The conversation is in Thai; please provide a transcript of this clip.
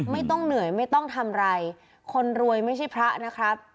ไม่ต้องเหนื่อยไม่ต้องทำอะไรคนรวยไม่ใช่พระนะครับ